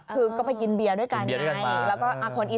คือก็ไปกินเบียร์ด้วยกันไง